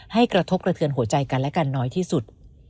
กระทบกระเทือนหัวใจกันและกันน้อยที่สุด